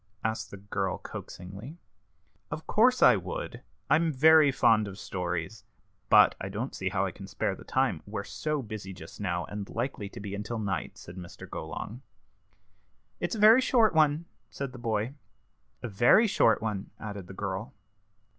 asked the girl, coaxingly. "Of course I would I'm very fond of stories but I don't see how I can spare the time. We're so busy just now, and likely to be until night," said Mr. Golong. "It's only a short one," said the boy. "A very short one," added the girl.